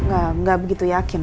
gak begitu yakin